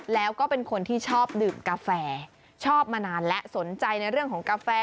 แล้วก็เป็นคนที่ชอบดื่มกาแฟชอบมานานและสนใจในเรื่องของกาแฟ